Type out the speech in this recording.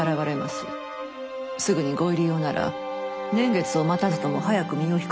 すぐにご入り用なら年月を待たずとも早く身を引くこともできましょう。